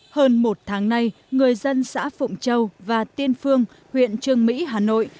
hơn một tháng nay người dân xã phụng châu và tiên phương huyện trương mỹ hà nội